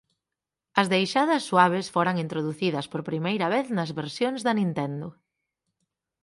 As deixadas suaves foran introducidas por primeira vez nas versións da Nintendo.